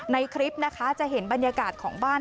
ในคลิปนะคะจะเห็นบรรยากาศของบ้าน